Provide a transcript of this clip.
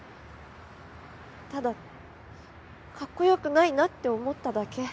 ただかっこよくないなって思っただけ。